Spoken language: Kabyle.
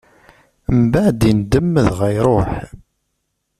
Mbeɛd indem, dɣa iṛuḥ.